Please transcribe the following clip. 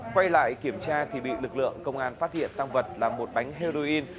quay lại kiểm tra thì bị lực lượng công an phát hiện tăng vật là một bánh heroin